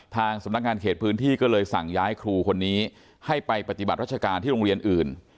ทางสำนักงานเขตพื้นที่ก็เลยสั่งย้ายครูคนนี้ให้ไปปฏิบัติรัชการที่โรงเรียนอื่น